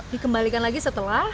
dikembalikan lagi setelah